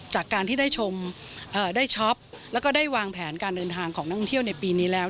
จากการที่ได้ชมได้ช็อปแล้วก็ได้วางแผนการเดินทางของนักท่องเที่ยวในปีนี้แล้ว